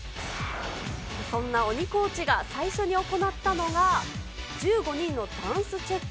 そんな鬼コーチが、最初に行ったのが、１５人のダンスチェック。